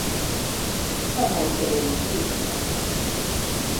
Fa molt per ell, sí.